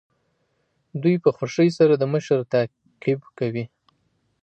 دوی په خوښۍ سره د مشر تعقیب کوي.